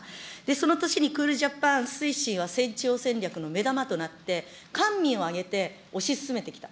その年にクールジャパン推進は成長戦略の目玉となって、官民を挙げて推し進めてきた。